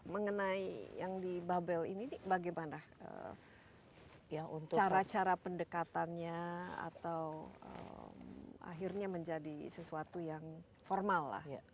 mengenai yang di babel ini bagaimana cara cara pendekatannya atau akhirnya menjadi sesuatu yang formal lah